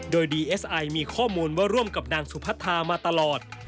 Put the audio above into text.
โดยดีเอสไอมีข้อมูลว่าร่วมกับนางสุพัทธามาตลอด